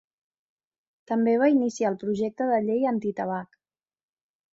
També va iniciar el projecte de llei antitabac.